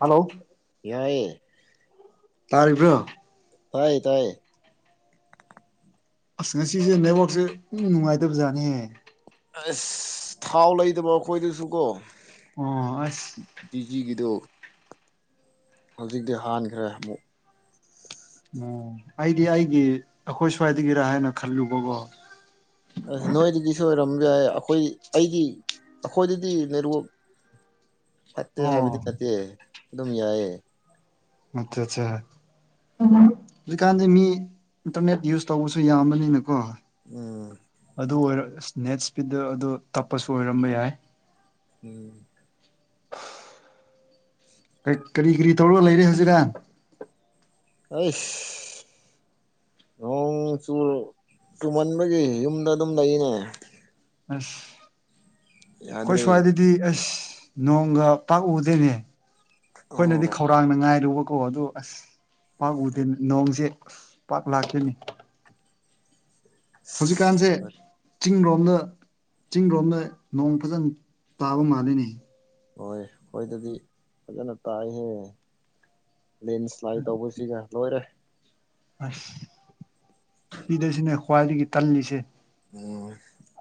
hello ꯌꯥꯏꯌꯦ ꯇꯥꯔꯤꯕ꯭ꯔꯣ ꯇꯥꯏꯌꯦ ꯇꯥꯏꯌꯦ ꯑꯁ ꯉꯁꯤꯁꯦ ꯅꯦꯠꯋꯥꯛꯁꯦ ꯏꯅꯨꯡ ꯅꯨꯡꯉꯥꯏꯇꯕꯖꯥꯠꯅꯦ ꯍꯦ ꯑꯁ ꯊꯥꯎ ꯂꯩꯗꯕ ꯑꯩꯈꯣꯏꯗꯨꯁꯨ ꯀꯣ ꯑꯣ ꯑꯁ ꯇꯤꯖꯤꯒꯤꯗꯣ ꯍꯧꯖꯤꯛꯇꯤ ꯍꯥꯟꯈ꯭ꯔꯦ ꯑꯃꯨꯛ ꯑꯣ ꯑꯩꯗꯤ ꯑꯩꯒꯤ ꯑꯩꯈꯣꯏ ꯁ꯭ꯋꯥꯏꯗꯒꯤꯔꯥ ꯍꯥꯏꯅ ꯈꯜꯂꯨꯕꯀꯣ ꯑꯁ ꯅꯣꯏꯗꯒꯤꯁꯨ ꯑꯣꯏꯔꯝꯕꯁꯨ ꯌꯥꯏ ꯑꯩꯈꯣꯏ ꯑꯩꯗꯤ ꯑꯩꯈꯣꯏꯗꯗꯤ ꯅꯦꯠꯋꯥꯛ ꯐꯠꯇꯦ ꯍꯥꯏꯕꯗꯤ ꯑꯣ ꯅꯠꯇꯦ ꯑꯗꯨꯝ ꯌꯥꯏꯌꯦ ꯑꯆꯥ ꯑꯆꯥ ꯆꯥ ꯍꯧꯖꯤꯛꯀꯥꯟꯗꯤ ꯃꯤ ꯏꯟꯇꯔꯅꯦꯠ ꯌꯨꯁ ꯇꯧꯕꯁꯨ ꯌꯥꯝꯕꯅꯤꯅꯀꯣ ꯎꯝ ꯑꯗꯨ ꯑꯣꯏꯔ ꯅꯦꯠ ꯏꯁꯄꯤꯗ ꯑꯗꯨ ꯇꯞꯄꯁꯨ ꯑꯣꯏꯔꯝꯕ ꯌꯥꯏ ꯎꯝ ꯀꯔꯤ ꯀꯔꯤ ꯇꯧꯔꯒ ꯂꯩꯔꯦ ꯍꯧꯖꯤꯛꯀꯥꯟ ꯑꯩꯁ ꯅꯣꯡ ꯆꯨꯔꯣ ꯆꯨꯝꯃꯟꯕꯒꯤ ꯌꯨꯝꯗ ꯑꯗꯨꯝ ꯂꯩꯅꯦ ꯑꯁ ꯑꯩꯈꯣꯏ ꯌꯥꯗ꯭ꯔꯦ ꯁꯋꯥꯏꯗꯤ ꯑꯁ ꯅꯣꯡꯒ ꯄꯥꯛ ꯎꯗꯦꯏꯅꯦ ꯑꯩꯈꯣꯏꯅꯗꯤ ꯈꯧ ꯑꯣ ꯈꯧꯔꯥꯡꯅ ꯉꯥꯏꯔꯨꯕꯀꯣ ꯑꯗꯨꯗꯣ ꯑꯁ ꯄꯥꯛ ꯎꯗꯦ ꯅꯣꯡꯁꯦ ꯑꯁ ꯄꯥꯛ ꯂꯥꯛꯇꯦꯅꯦ ꯍꯧꯖꯤꯛꯀꯥꯟꯁꯦ ꯍꯣꯏ ꯆꯤꯡꯔꯣꯝꯗ ꯆꯤꯡꯔꯣꯝꯗ ꯅꯣꯡ ꯐꯖꯅ ꯇꯥꯕ ꯃꯥꯜꯂꯤꯅꯦ ꯍꯣꯏ ꯑꯩꯈꯣꯏꯗꯗꯤ ꯐꯖꯅ ꯇꯥꯏꯍꯦ ꯂꯦꯟꯁ꯭ꯂꯥꯏꯠ ꯇꯧꯕꯁꯤꯒ ꯂꯣꯏꯔꯦ ꯑꯁ ꯁꯤꯗꯁꯤꯅꯦ ꯈ꯭ꯋꯥꯏꯗꯒꯤ ꯇꯜꯂꯤꯁꯦ ꯎꯝ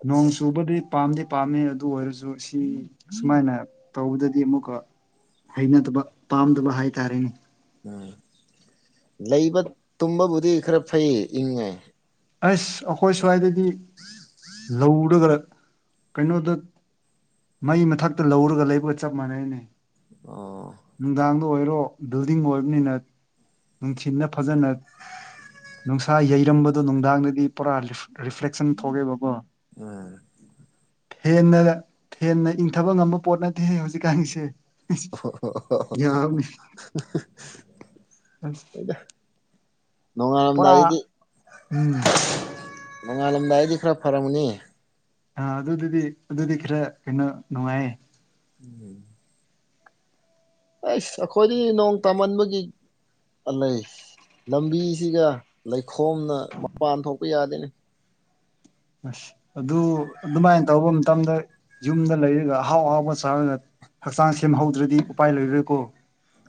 ꯅꯣꯡ ꯆꯨꯕꯗꯤ ꯄꯥꯝꯗꯤ ꯄꯥꯝꯃꯦ ꯑꯗꯨ ꯑꯣꯏꯔꯁꯨ ꯁꯤ ꯁꯨꯃꯥꯏꯅ ꯇꯧꯕꯗꯗꯤ ꯑꯃꯨꯛꯀ ꯍꯩꯅꯗꯕ ꯄꯥꯝꯗꯕ ꯍꯥꯏꯇꯥꯔꯦꯅꯦ ꯎꯝ ꯂꯩꯕ ꯇꯨꯝꯕꯕꯨꯗꯤ ꯈꯔ ꯐꯩ ꯏꯪꯉꯦ ꯑꯁ ꯑꯩꯈꯣꯏ ꯁ꯭ꯋꯥꯏꯗꯗꯤ ꯂꯧꯔꯒ ꯀꯩꯅꯣꯗ ꯃꯩ ꯃꯊꯛꯇ ꯂꯧꯔꯒ ꯂꯩꯕꯒ ꯆꯞ ꯃꯥꯟꯅꯩꯅꯦ ꯑꯣ ꯅꯨꯡꯗꯥꯛ ꯑꯣꯏꯔꯣ ꯕꯤꯜꯗꯤꯡ ꯑꯣꯏꯕꯅꯤꯅ ꯅꯨꯡꯊꯤꯜꯗ ꯐꯖꯅ ꯅꯨꯡꯁꯥ ꯌꯩꯔꯝꯕꯗꯣ ꯅꯨꯡꯗꯥꯡꯗꯗꯤ ꯄꯨꯔꯥ ꯔꯤ ꯔꯤꯐ꯭ꯂꯦꯛꯁꯟ ꯊꯣꯛꯑꯦꯕꯀꯣ ꯎꯝ ꯍꯦꯟꯅ ꯍꯦꯟꯅ ꯏꯪꯊꯕ ꯉꯝꯕ ꯄꯣꯠ ꯅꯠꯇꯦꯍꯦ ꯍꯧꯖꯤꯛꯀꯥꯟꯁꯦ ꯑꯁ ꯌꯥꯎꯑꯦꯅꯦ [unintelligible] ꯑꯁ ꯄꯨꯔꯥ ꯅꯣꯡꯉꯟꯂꯝꯗꯏꯗꯤ ꯎꯝ ꯄꯣꯉꯥꯟꯂꯝꯗꯥꯏꯗꯤ ꯈꯔ ꯐꯔꯝꯒꯅꯤ ꯑꯥ ꯑꯗꯨꯗꯤ ꯑꯗꯨꯗꯤ ꯈꯔ ꯀꯩꯅꯣ ꯅꯨꯡꯉꯥꯏꯌꯦ ꯎꯝ ꯑꯁ ꯑꯩꯈꯣꯏꯗꯤ ꯅꯣꯡ ꯇꯥꯃꯟꯕꯒꯤ ꯄꯜꯂꯩ ꯂꯝꯕꯤꯁꯤꯒ ꯂꯩꯈꯣꯝꯅ ꯃꯄꯥꯟ ꯊꯣꯛꯄ ꯌꯥꯗꯦꯅꯤ ꯑꯁ ꯑꯗꯨ ꯑꯗꯨꯃꯥꯏꯅ ꯇꯧꯕ ꯃꯇꯝꯗ ꯌꯨꯝꯗ ꯂꯩꯔꯒ ꯑꯍꯥꯎ ꯑꯍꯥꯎꯕ ꯆꯥꯔꯒ ꯍꯛꯆꯥꯡ ꯁꯦꯝꯍꯧꯗ꯭ꯔꯗꯤ ꯎꯄꯥꯏ ꯂꯩꯔꯣꯏꯀꯣ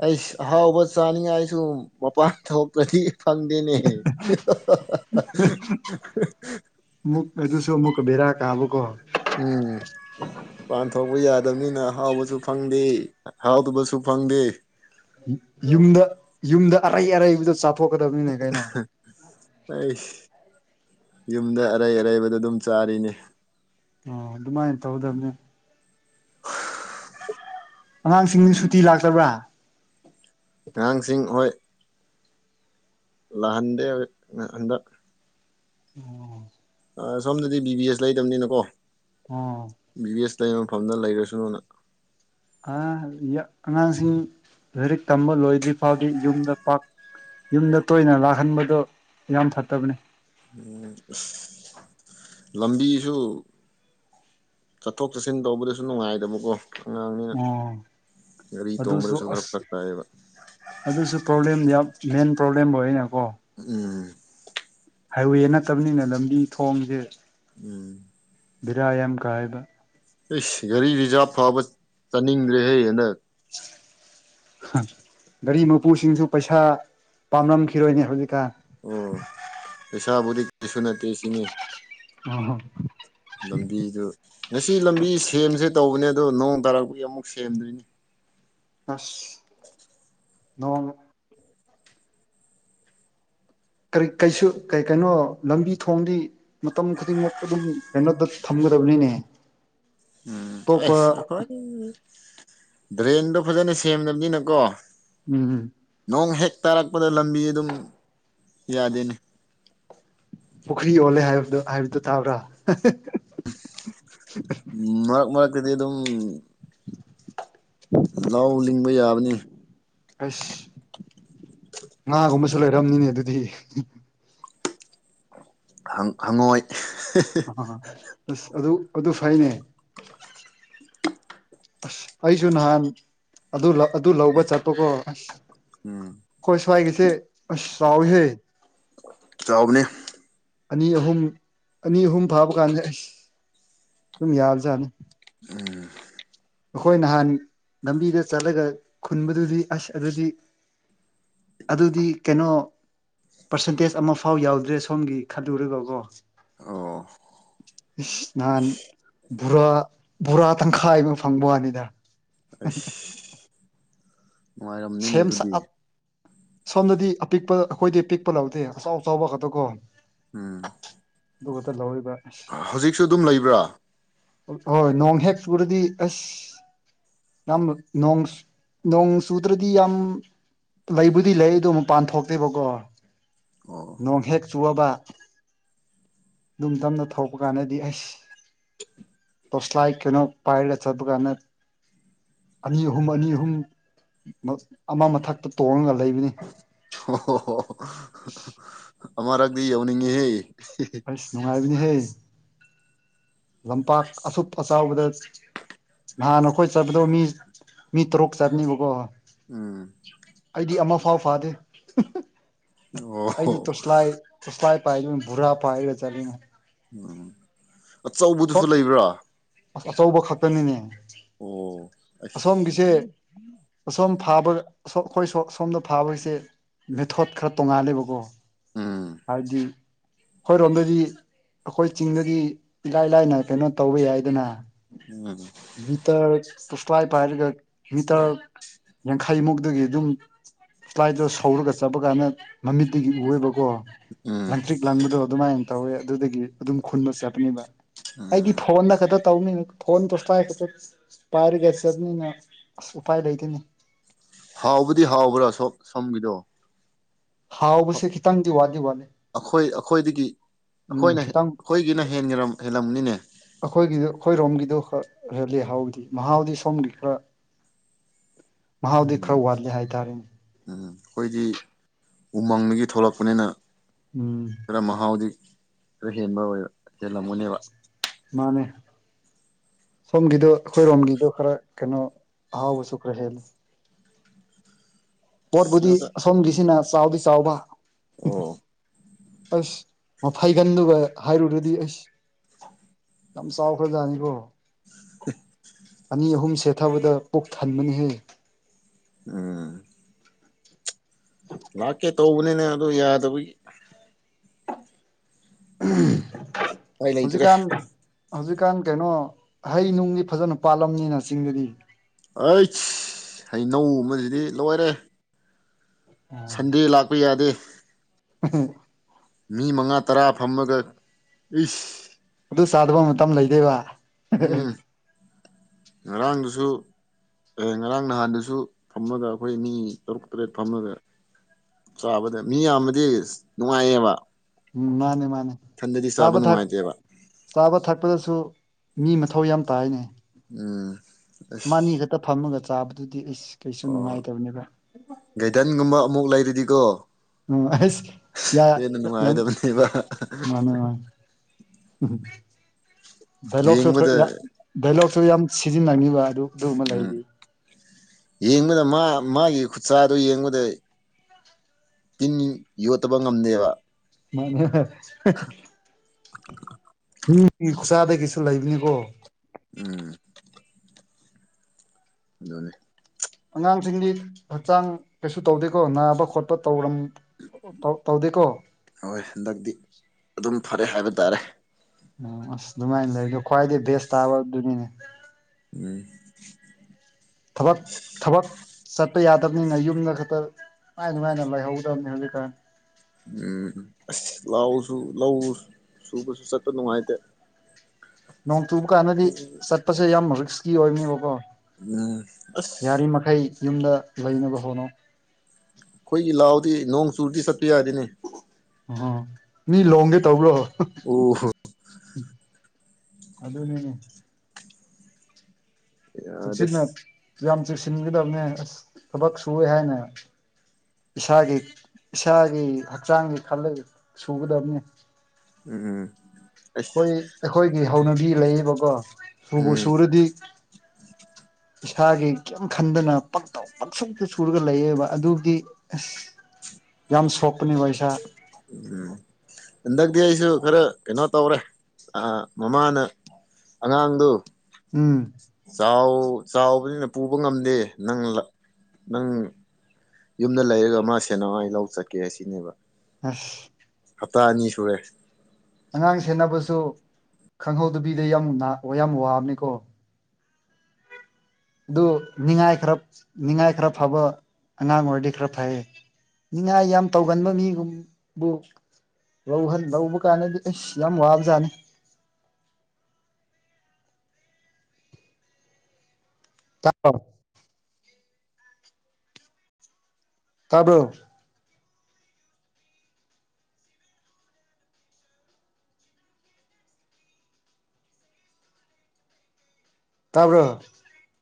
ꯑꯩꯁ ꯑꯍꯥꯎꯕ ꯆꯥꯅꯤꯡꯉꯥꯏꯁꯨ ꯃꯄꯥꯟ ꯊꯣꯛꯇ꯭ꯔꯗꯤ ꯐꯪꯗꯦꯅꯦ ꯃꯨꯛ ꯑꯗꯨꯁꯨ ꯑꯃꯨꯛꯀ ꯕꯦꯔꯥ ꯀ ꯕ ꯀꯣ ꯎꯝ ꯃꯂꯥꯟ ꯊꯣꯛꯄ ꯌꯥꯗꯕꯅꯤꯅ ꯍꯥꯎꯕꯁꯨ ꯐꯪꯗꯦ ꯍꯥꯎꯗꯕꯁꯨ ꯐꯪꯗꯦ ꯌꯨꯝꯗ ꯌꯨꯝꯗ ꯑꯔꯩ ꯑꯔꯩꯕꯗꯣ ꯆꯧ ꯎ ꯑꯩꯁ ꯌꯨꯝꯗ ꯑꯔꯩ ꯑꯔꯩꯕꯗ ꯑꯗꯨꯝ ꯆꯥꯔꯤꯅꯦ ꯑꯣ ꯑꯗꯨꯃꯥꯏꯅ ꯇꯧꯗꯕꯅꯦ ꯑꯉꯥꯡꯁꯤꯡꯗꯤ ꯁꯨꯇꯤ ꯂꯥꯛꯇꯕ꯭ꯔꯥ ꯑꯉꯥꯡꯁꯤꯡ ꯍꯣꯏ ꯂꯥꯛꯍꯟꯗꯦ ꯍꯧꯖꯤꯛ ꯍꯟꯗꯛ ꯑꯣ ꯑ ꯁꯣꯝꯗꯗꯤ ꯕꯤ ꯕꯤ ꯑꯦꯁ ꯂꯩꯗꯝꯕꯅꯤꯅꯀꯣ ꯑꯣ ꯕꯤ ꯕꯤ ꯑꯦꯁ ꯂꯩꯕ ꯃꯐꯝꯗ ꯂꯩꯈ꯭ꯔꯁꯨꯅꯨꯅ ꯑ ꯑꯉꯥꯡꯁꯤꯡ ꯂꯥꯏꯔꯤꯛ ꯇꯝꯕ ꯂꯣꯏꯗ꯭ꯔꯤ ꯐꯥꯎꯗꯤ ꯌꯨꯝꯗ ꯄꯥꯛ ꯌꯨꯝꯗ ꯇꯣꯏꯅ ꯂꯥꯛꯍꯟꯕꯗꯣ ꯌꯥꯝ ꯐꯠꯇꯕꯅꯤ ꯎꯝ ꯇꯁ ꯂꯝꯕꯤꯁꯨ ꯆꯠꯊꯣꯛ ꯆꯠꯁꯤꯟ ꯇꯧꯕꯗꯁꯨ ꯅꯨꯡꯉꯥꯏꯗꯕꯀꯣ ꯑꯉꯥꯡꯅꯤꯅ ꯒꯥꯔꯤ ꯑꯗꯨꯁꯨ ꯇꯣꯡꯕꯗꯁꯨ ꯈꯔ ꯑꯁ ꯄꯠ ꯇꯥꯏꯌꯦꯕ ꯑꯗꯨꯁꯨ ꯄ꯭ꯔꯣꯕ꯭ꯂꯦꯝꯗꯤ ꯌꯥꯝ ꯃꯦꯟ ꯄ꯭ꯔꯣꯕ꯭ꯂꯦꯝꯕ ꯑꯣꯏꯅꯀꯣ ꯎꯝ ꯍꯥꯏꯋꯦ ꯅꯠꯇꯕꯅꯤꯅ ꯂꯝꯕꯤ ꯊꯣꯡꯁꯦ ꯎꯝ ꯕꯤꯔꯥ ꯌꯥꯝ ꯀꯥꯏꯕ ꯑꯦꯁ ꯒꯥꯔꯤ ꯔꯤꯖꯥꯚ ꯐꯥꯎꯕ ꯆꯥꯅꯤꯡꯗ꯭ꯔꯦꯍꯦ ꯍꯟꯗꯛ ꯒꯥꯔꯤ ꯃꯄꯨꯁꯤꯡꯁꯨ ꯄꯩꯁꯥ ꯄꯥꯝꯔꯝꯈꯤꯔꯣꯏꯅꯦ ꯍꯧꯖꯤꯛꯀꯥꯟ ꯎꯝ ꯄꯩꯁꯥꯕꯨꯗꯤ ꯀꯔꯤꯁꯨ ꯅꯠꯇꯦ ꯁꯤꯅꯤ ꯂꯝꯕꯤꯗꯨ ꯉꯁꯤ ꯂꯝꯕꯤ ꯁꯦꯝꯁꯦ ꯇꯧꯕꯅꯦ ꯑꯗꯣ ꯅꯣꯡ ꯇꯥꯔꯛꯄꯒꯤ ꯑꯃꯨꯛ ꯁꯦꯝꯗꯔ꯭ꯤꯅꯤ ꯑꯁ ꯅꯣꯡ ꯀꯔꯤ ꯀꯩꯁꯨ ꯀꯩ ꯀꯩꯅꯣ ꯂꯝꯕꯤ ꯊꯣꯡꯗꯤ ꯃꯇꯝ ꯈꯨꯗꯤꯡꯃꯛ ꯑꯗꯨꯝ ꯀꯩꯅꯣꯗ ꯊꯝꯒꯗꯕꯅꯤꯅꯦ ꯎꯝ ꯑꯇꯣꯞꯄ ꯑꯁ ꯑꯩꯈꯣꯏ ꯗ꯭ꯔꯦꯟꯗꯣ ꯐꯖꯅ ꯁꯦꯝꯗꯕꯅꯤꯅꯀꯣ ꯎꯝ ꯅꯣꯡ ꯍꯦꯛ ꯇꯥꯔꯛꯄꯗ ꯂꯝꯕꯤ ꯑꯗꯨꯝ ꯌꯥꯗꯦꯅꯦ ꯄꯨꯈ꯭ꯔꯤ ꯑꯣꯜꯂꯦ ꯍꯥꯏꯕꯗꯣ ꯍꯥꯏꯕꯗꯨꯣ ꯇꯥꯕ꯭ꯔꯥ ꯎꯝ ꯃꯔꯛ ꯃꯔꯛꯇꯗꯤ ꯑꯗꯨꯝ [inaudible] ꯂꯧ ꯂꯤꯡꯕ ꯌꯥꯕꯅꯤ ꯑꯁ ꯉꯥꯒꯨꯝꯕꯁꯨ ꯂꯩꯔꯝꯅꯤꯅꯦ ꯑꯗꯨꯗꯤ ꯍꯪꯪ ꯍꯪꯉꯣꯏ ꯑ ꯑꯁ ꯑꯗꯨ ꯑꯗꯨ ꯐꯩꯅꯦ ꯑꯁ ꯑꯩꯁꯨ ꯅꯍꯥꯟ ꯑꯗꯨ ꯂꯧ ꯑꯗꯨ ꯂꯧꯕ ꯆꯠꯄꯣꯀꯣ ꯑꯁ ꯎꯝ ꯈꯣꯏ ꯁꯋ꯭ꯥꯏꯒꯤꯁꯦ ꯑꯁ ꯆꯥꯎꯋꯤꯍꯦ ꯆꯥꯎꯕꯅꯦ ꯑꯅꯤ ꯑꯍꯨꯝ ꯑꯅꯤ ꯑꯍꯨꯝ ꯐꯥꯕ ꯀꯥꯟꯗ ꯑꯩꯁ ꯗꯨꯝ ꯌꯥꯕꯖꯥꯠꯅꯤ ꯎꯝ ꯑꯈꯣꯏ ꯅꯍꯥꯟ ꯂꯝꯕꯤꯗ ꯆꯠꯂꯒ ꯈꯨꯟꯕꯗꯨꯗꯤ ꯑꯁ ꯑꯗꯨꯗꯤ ꯑꯗꯨꯗꯤ ꯀꯩꯅꯣ ꯄꯔꯁꯦꯟꯇꯦꯖ ꯑꯃ ꯐꯥꯎ ꯌꯥꯎꯗ꯭ꯔꯦ ꯁꯣꯝꯒꯤ ꯈꯜꯂꯨꯔꯒꯀꯣ ꯑꯣ ꯑꯁ ꯅꯍꯥꯟ ꯕꯨꯔꯥ ꯕꯨꯔꯥ ꯇꯪꯈꯥꯏ ꯑꯃ ꯐꯪꯕꯋꯥꯅꯤꯗ ꯑꯩꯁ ꯅꯨꯡꯉꯥꯏꯔꯝꯅꯤꯅꯦ ꯁꯦꯝꯁꯥ ꯑꯗꯨꯗꯤ ꯁꯣꯝꯗꯗꯤ ꯑꯄꯤꯛꯄ ꯑꯩꯈꯣꯏꯗꯤ ꯑꯄꯤꯛꯄ ꯂꯧꯗꯦ ꯑꯆꯥꯎ ꯑꯆꯥꯎꯕ ꯈꯛꯇ ꯀꯣ ꯎꯝ ꯗꯨꯈꯛꯇ ꯂꯧꯔꯤꯕ ꯍꯧꯖꯤꯛꯁꯨ ꯑꯗꯨꯝ ꯂꯩꯕ꯭ꯔꯥ ꯍꯣꯏ ꯅꯣꯡ ꯍꯦꯛ ꯆꯨꯔꯗꯤ ꯑꯁ ꯌꯥꯝꯅ ꯅꯣꯡꯁ ꯅꯣꯡꯁ ꯆꯨꯗ꯭ꯔꯗꯤ ꯌꯥꯝ ꯂꯩꯕꯨꯗꯤ ꯂꯩ ꯑꯗꯨ ꯃꯄꯥꯟ ꯊꯣꯛꯇꯦꯕꯀꯣ ꯑꯣ ꯅꯣꯡ ꯍꯦꯛ ꯆꯨꯑꯕ ꯑꯗꯨ ꯃꯇꯝꯅ ꯊꯧꯔꯛꯄ ꯀꯥꯟꯗꯗꯤ ꯑꯁ ꯇꯣꯔꯆ ꯂꯥꯏꯠ ꯀꯩꯅꯣ ꯄꯥꯏꯔꯒ ꯆꯠꯄ ꯀꯥꯟꯗ ꯑꯅꯤ ꯑꯍꯨꯝ ꯑꯅꯤ ꯑꯍꯨꯝ ꯃ ꯑꯃ ꯃꯊꯛꯇ ꯇꯣꯡꯉꯒ ꯂꯩꯕꯅꯤ ꯍꯣ ꯍꯣ ꯍꯣ ꯑꯃꯔꯛꯇꯗꯤ ꯌꯧꯅꯤꯡꯉꯤꯍꯦ ꯑꯁ ꯅꯨꯡꯉꯥꯏꯕꯅꯤꯍꯦ ꯂꯝꯄꯥꯛ ꯑꯁꯨꯞ ꯑꯆꯥꯎꯕꯗ ꯅꯍꯥꯟ ꯑꯩꯈꯣꯏ ꯆꯠꯄꯗꯣ ꯃꯤ ꯃꯤ ꯇꯔꯨꯛ ꯆꯠꯅꯤꯕꯀꯣ ꯎꯝ ꯑꯩꯗꯤ ꯑꯃ ꯐꯥꯎ ꯐꯥꯗꯦ ꯑꯩꯗꯤ ꯑꯣ ꯇꯣꯁꯂꯥꯏ ꯎꯁꯂꯥꯏ ꯄꯥꯏꯅ ꯕꯨꯔꯥ ꯄꯥꯏꯔ ꯆꯠꯂꯤꯅꯦ ꯎꯝ ꯑꯆꯧꯕꯗꯨꯁꯨ ꯁꯣꯝ ꯂꯩꯕ꯭ꯔꯥ ꯑꯁ ꯑꯆꯧꯕ ꯈꯛꯇꯅꯤꯅꯦ ꯑꯣ ꯑꯁ ꯑꯁꯣꯝꯒꯤꯁꯦ ꯑꯁꯣꯝꯕ ꯐꯥꯕ ꯑꯁꫭꯝ ꯑꯩꯈꯣꯏ ꯁꯣꯝꯗ ꯐꯥꯕꯒꯤꯁꯦ ꯃꯦꯊꯣꯠ ꯈꯔ ꯇꯣꯡꯉꯥꯂꯦꯕꯀꯣ ꯎꯝ ꯍꯥꯏꯗꯤ ꯑꯩꯈꯣꯏꯔꯣꯝꯗꯗꯤ ꯑꯩꯈꯣꯏ ꯆꯤꯡꯗꯗꯤ ꯏꯂꯥꯏ ꯂꯥꯏꯅ ꯀꯩꯅꯣ ꯇꯧꯕ ꯌꯥꯏꯗꯅ ꯎꯝ ꯃꯤꯇꯔ ꯇꯨꯁꯂꯥꯏꯠ ꯄꯥꯏꯔꯒ ꯃꯤꯇꯔ ꯌꯥꯡꯈꯩꯃꯨꯛꯇꯒꯤ ꯑꯗꯨꯝ ꯇꯨꯁꯂꯥꯏꯠꯇꯣ ꯁꯧꯔꯒ ꯆꯠꯄ ꯀꯥꯟꯗ ꯃꯃꯤꯠꯇꯒꯤ ꯎꯑꯦꯕꯀꯣ ꯎꯝ ꯂꯪꯇ꯭ꯔꯤꯛ ꯂꯪꯕꯗꯣ ꯑꯗꯨꯃꯥꯏꯅ ꯇꯧꯋꯦ ꯑꯗꯨꯗꯒꯤ ꯑꯗꯨꯝ ꯈꯨꯟꯕꯁꯨ ꯆꯠꯄꯅꯦꯕ ꯑꯩꯗꯤ ꯎꯝ ꯐꯣꯟꯗ ꯈꯛꯇ ꯇꯧꯅꯤ ꯐꯣꯟ ꯇꯨꯁꯂꯥꯏꯠ ꯈꯛꯇ ꯄꯥꯏꯔꯒ ꯆꯠꯄꯅꯤꯅ ꯑꯁ ꯎꯄꯥꯏ ꯂꯩꯇꯅꯤ ꯍꯥꯎꯕꯗꯤ ꯍꯥꯎꯕ꯭ꯔꯥ ꯁꯣ ꯁꯣꯝꯒꯤꯗꯣ ꯍꯥꯎꯕꯁꯦ ꯈꯤꯇꯪꯗꯤ ꯋꯥꯠꯗꯤ ꯋꯥꯠꯂꯦ ꯑꯩꯈꯣꯏ ꯑꯩꯈꯣꯏꯗꯒꯤ ꯑꯩꯈꯣꯏꯅ ꯍꯦꯟ ꯈꯤꯇꯪ ꯑꯩꯈꯣꯏꯒꯤꯅ ꯍꯦꯟꯒꯔꯝ ꯍꯦꯜꯂꯝꯅꯤꯅꯦ ꯑꯩꯈꯣꯏꯒꯤꯗ ꯑꯩꯈꯣꯏꯔꯣꯝꯒꯤꯗꯣ ꯈꯔ ꯍꯦꯜꯂꯤꯍꯥꯎꯗꯤ ꯃꯍꯥꯎꯗꯤ ꯁꯣꯝꯒꯤ ꯈꯔ [inaudible] ꯃꯍꯥꯎꯗꯤ ꯈꯔ ꯎꯝ ꯋꯥꯠꯂꯤ ꯍꯥꯏꯇꯥꯔꯦꯅꯦ ꯎꯝ ꯑꯩꯈꯣꯏꯗꯤ ꯎꯃꯪꯗꯒꯤ ꯊꯣꯛꯂꯛꯄꯅꯤꯅ ꯎꯝ ꯈꯔ ꯃꯍꯥꯎꯗꯤ ꯈꯔ ꯍꯦꯟꯕ ꯑꯣꯏꯕ ꯍꯦꯜꯂꯝꯒꯅꯦꯕ ꯃꯥꯅꯦ ꯁꯣꯝꯒꯤꯗꯣ ꯑꯩꯈꯣꯏꯔꯣꯝꯒꯤꯗꯣ ꯈꯔ ꯀꯩꯅꯣ ꯑꯍꯥꯎꯕꯁꯨ ꯈꯔ ꯍꯦꯜꯂꯤ ꯄꯣꯠꯄꯨꯗꯤ ꯑꯁꯣꯝꯒꯤꯁꯤꯅ ꯆꯥꯎꯗꯤ ꯆꯥꯎꯕ ꯑꯣ ꯑꯁ ꯃꯐꯩꯒꯟꯗꯨꯒ ꯍꯥꯏꯔꯨꯔꯗꯤ ꯑꯁ ꯌꯥꯝ ꯆꯥꯎꯈ꯭ꯔꯖꯥꯅꯤꯀꯣ ꯑꯅꯤ ꯑꯍꯨꯝ ꯁꯦꯠꯊꯕꯗ ꯄꯨꯛ ꯊꯟꯕꯅꯤꯍꯦ ꯎꯝ ꯂꯥꯛꯀꯦ ꯇꯧꯕꯅꯤꯅꯦ ꯑꯗꯨ ꯌꯥꯗꯕꯒꯤ ꯎꯄꯥꯏ ꯂꯩꯇ꯭ꯔꯦ ꯍꯧꯖꯤꯛꯀꯥꯟ ꯍꯧꯖꯤꯛꯀꯥꯟ ꯀꯩꯅꯣ ꯍꯩ ꯅꯨꯡꯗꯤ ꯐꯖꯅ ꯄꯥꯜꯂꯝꯅꯤꯅ ꯆꯤꯡꯗꯗꯤ ꯑꯩ ꯍꯩꯅꯧ ꯒꯨꯝꯕꯁꯤꯗꯤ ꯂꯣꯏꯔꯦ ꯁꯟꯗꯦ ꯂꯥꯛꯄ ꯌꯥꯗꯦ [unintelligible] ꯃꯤ ꯃꯉꯥ ꯇꯔꯥ ꯐꯝꯃꯒ ꯏꯁ ꯑꯗꯨ ꯆꯥꯗꯕ ꯃꯇꯝ ꯂꯩꯗꯦꯕ ꯎꯝ ꯉꯔꯥꯡꯗꯨꯁꯨ ꯑꯦ ꯉꯔꯥꯡ ꯅꯍꯥꯟꯗꯁꯨ ꯐꯝꯃꯒ ꯑꯩꯈꯣꯏ ꯑꯅꯤ ꯇꯔꯨꯛ ꯇꯔꯦꯠ ꯐꯝꯃꯒ ꯆꯥꯕꯗ ꯃꯤ ꯌꯥꯝꯕꯗꯤ ꯅꯨꯡꯉꯥꯏꯌꯦꯕ ꯎꯝ ꯃꯥꯅꯦ ꯃꯥꯅꯦ ꯏꯊꯟꯗꯗꯤ ꯆꯥꯕ ꯊꯛ ꯅꯨꯡꯉꯥꯏꯇꯦꯕ ꯆꯥꯕ ꯊꯛꯄꯗꯁꯨ ꯃꯤ ꯃꯊꯧ ꯌꯥꯝ ꯇꯥꯏꯅꯦ ꯎꯝ ꯑꯁ ꯃꯥꯅꯤ ꯈꯇ ꯐꯝꯃꯒ ꯆꯥꯕꯗꯨꯗꯤ ꯏꯁ ꯀꯩꯁꯨ ꯅꯨꯉꯥꯏꯇꯕꯅꯤꯕ ꯒꯥꯥꯏꯗꯟꯒꯨꯝꯕ ꯑꯃꯨꯛ ꯂꯩꯔꯗꯤꯀꯣ ꯎꯝ ꯑꯍꯩꯁ ꯌꯥ ꯍꯦꯟꯅ ꯌꯥꯝ ꯅꯨꯡꯉꯥꯏꯗꯕꯅꯦꯕ ꯃꯥꯅꯦ ꯃꯥꯅꯦ ꯎꯝ ꯗꯥꯏꯂꯣꯛꯁꯨ ꯈꯔ ꯌꯦꯡꯕꯗ ꯌꯥ ꯗꯥꯏꯂꯣꯛꯁꯨ ꯌꯥꯝ ꯁꯤꯖꯤꯟꯅꯅꯤꯕ ꯑꯗꯨ ꯑꯗꯨꯒꯨꯝꯕ ꯎꯝ ꯂꯩꯔꯤ ꯌꯦꯡꯕꯗ ꯃꯥ ꯃꯥꯒꯤ ꯈꯨꯠꯆꯥꯗꯨ ꯌꯦꯡꯕꯗ ꯇꯤꯟꯅꯤ ꯌꯣꯠꯇꯕ ꯉꯝꯗꯦꯕ ꯃꯥꯅꯦ ꯎꯝ ꯈꯨꯆꯥꯗꯒꯤꯁꯨ ꯂꯩꯕꯅꯤꯒꯣ ꯎꯝ ꯑꯗꯨꯅꯦ ꯑꯉꯥꯡꯁꯤꯡꯗꯤ ꯍꯛꯆꯥꯡ ꯀꯩꯁꯨ ꯇꯧꯗꯦꯀꯣ ꯅꯥꯕ ꯈꯣꯠꯄ ꯇꯧꯔꯝ ꯇꯧ ꯇꯧꯗꯦꯀꯣ ꯍꯣꯏ ꯍꯟꯗꯛꯇꯤ ꯑꯗꯨꯝ ꯐꯔꯦ ꯍꯥꯏꯕ ꯇꯥꯔꯦ ꯑ ꯑꯁ ꯗꯨꯃꯥꯏ ꯂꯩꯗꯣ ꯈ꯭ꯋꯥꯏꯗꯩ ꯕꯦꯁ ꯇꯥꯕꯗꯨꯅꯤꯅꯦ ꯎꯝ ꯊꯕꯛ ꯊꯕꯛ ꯆꯠꯄ ꯌꯥꯗꯕꯅꯤꯅ ꯌꯨꯝꯗ ꯈꯇ ꯅꯨꯉꯥꯏ ꯅꯨꯉꯥꯏꯅ ꯂꯩꯍꯧꯒꯗꯝꯅꯦ ꯍꯧꯖꯤꯛꯀꯥꯟ ꯎꯝ ꯑꯁ ꯂꯥꯎꯁꯨ ꯂꯧ ꯁꯨꯕꯁꯨ ꯆꯠꯄ ꯅꯨꯉꯥꯏꯇꯦ ꯅꯣꯡ ꯆꯨꯕ ꯀꯥꯟꯗꯗꯤ ꯆꯠꯄꯁꯦ ꯌꯥꯝ ꯔꯤꯛꯁꯀꯤ ꯑꯣꯏꯕꯅꯦꯕꯀꯣ ꯎꯝ ꯑꯁ ꯌꯥꯔꯤꯃꯈꯩ ꯌꯨꯝꯗ ꯂꯩꯅꯕ ꯍꯣꯅꯧ ꯈꯣꯏꯒꯤ ꯂꯥꯎꯗꯤ ꯅꯣꯡ ꯆꯨꯔꯗꯤ ꯆꯠꯄ ꯌꯥꯗꯦꯅꯦ ꯑꯣꯍꯣ ꯃꯤ ꯂꯣꯡꯒꯦ ꯇꯧꯕ꯭ꯔꯣ ꯎ ꯍꯣ ꯑꯗꯨꯨꯅꯤꯅꯦ ꯌꯥꯗꯦ ꯆꯦꯛꯁꯤꯟꯅ ꯌꯥꯝ ꯆꯦꯁꯤꯟꯒꯗꯕꯅꯦ ꯑꯁ ꯊꯕꯛ ꯁꯨꯋꯦ ꯍꯥꯏꯅ ꯏꯁꯥꯒꯤ ꯏꯁꯥꯒꯤ ꯍꯛꯆꯥꯡꯒꯤ ꯈꯜꯂꯒ ꯁꯨꯒꯗꯕꯅꯤ ꯎꯝ ꯎꯝ ꯈꯣꯏ ꯑꯩꯈꯣꯏꯒꯤ ꯍꯧꯅꯕꯤ ꯂꯩꯌꯦꯕꯀꯣ ꯁꯨꯕꯨ ꯎꯝ ꯁꯨꯔꯗꯤ ꯏꯁꯥꯒꯤ ꯀꯦꯝ ꯈꯟꯗꯅ ꯄꯛꯇꯧ ꯄꯪꯁꯨꯛꯇ ꯁꯨꯔꯒ ꯂꯩꯌꯦꯕ ꯑꯗꯨꯗꯤ ꯑꯁ ꯌꯥꯝ ꯁꯣꯛꯄꯅꯦꯕ ꯏꯁꯥ ꯎꯝ ꯍꯟꯗꯛꯇꯤ ꯑꯩꯁꯨ ꯈꯔ ꯀꯩꯅꯣ ꯇꯧꯔꯦ ꯑꯥ ꯃꯃꯥꯅ ꯑꯉꯥꯡꯗꯣ ꯎꯝ ꯆꯥꯎ ꯆꯥꯎꯕꯅꯤꯅ ꯄꯨꯕ ꯉꯝꯗꯦ ꯅꯪ ꯂ ꯅꯪ ꯌꯨꯝꯗ ꯂꯩꯔꯒ ꯃꯥ ꯁꯦꯅꯧ ꯑꯩ ꯂꯧ ꯆꯠꯀꯦ ꯁꯤꯅꯦꯕ ꯑꯁ ꯍꯞꯇꯥ ꯑꯅꯤ ꯁꯨꯔꯦ ꯑꯉꯥꯡ ꯁꯦꯟꯅꯕꯁꯨ ꯈꯪꯍꯧꯗꯕꯤꯗ ꯌꯥꯝ ꯅꯥ ꯌꯥꯝ ꯋꯥꯕꯅꯤꯀꯣ ꯑꯗꯨ ꯅꯤꯉꯥꯏ ꯈꯔꯞ ꯅꯤꯉꯥꯏ ꯈꯔ ꯐꯕ ꯑꯉꯥꯡ ꯑꯣꯏꯔꯗꯤ ꯈꯔ ꯐꯌꯦ ꯅꯤꯉꯥꯏ ꯌꯥꯝ ꯇꯧꯒꯟꯕ ꯃꯤꯒꯨꯝꯕꯨ ꯂꯧꯍꯟ ꯂꯧꯕ ꯀꯥꯟꯗꯗꯤ ꯑꯁ ꯌꯥꯝ ꯋꯥꯕꯖꯥꯅꯤ [unintelligible] ꯇꯥꯕꯔꯣ ꯇꯥꯕꯔꯣ